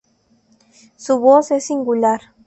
Su voz es singular.